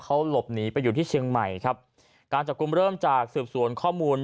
เขาหลบหนีไปอยู่ที่เชียงใหม่ครับการจับกลุ่มเริ่มจากสืบสวนข้อมูล